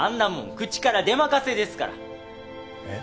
口から出任せですからえっ？